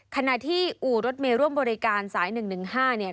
ขณะที่อู่รถเมย์ร่วมบริการสาย๑๑๕เนี่ย